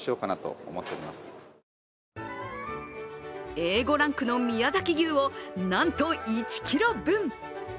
Ａ５ランクの宮崎牛をなんと１ｋｇ分。